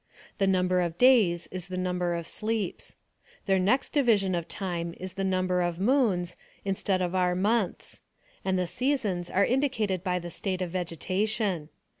The number of days is the number of sleeps. Their next division of time is the number of moons, instead of our months; and the seasons are indicated by the state of vegetation.